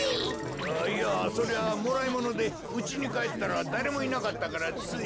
あっいやそれはもらいものでうちにかえったらだれもいなかったからつい。